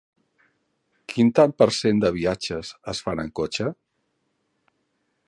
Quin tant per cent de viatges es fan en cotxe?